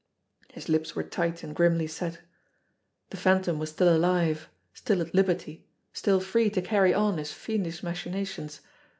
His lips were tight and grimly set. The Phantom was still alive, still at liberty, still free to carry on his fiendish machinations!